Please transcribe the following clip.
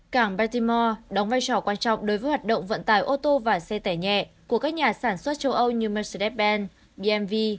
cảng baltimore đóng vai trò quan trọng đối với hoạt động vận tải ô tô và xe tẻ nhẹ của các nhà sản xuất châu âu như mercedes benz bmw